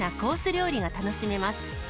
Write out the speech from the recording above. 料理が楽しめます。